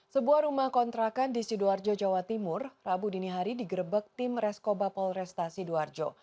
sebuah rumah kontrakan di sidoarjo jawa timur rabu dinihari digerebek tim resko bapol restasi doarjo